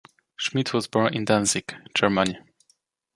Schmidt was born in Danzig, Germany.